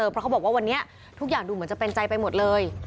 เพราะเขาบอกว่าวันนี้ทุกอย่างดูเหมือนจะเป็นใจไปหมดเลย